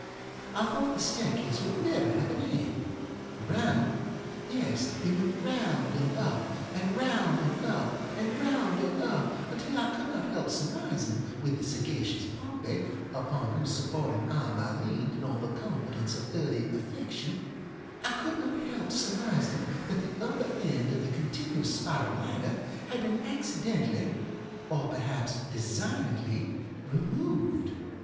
I thought the staircase would never have an end. Round! Yes, they went round and up, and round and up and round and up, until I could not help surmising, with the sagacious Pompey, upon whose supporting arm I leaned in all the confidence of early affectionŌĆöI could not help surmising that the upper end of the continuous spiral ladder had been accidentally, or perhaps designedly, removed.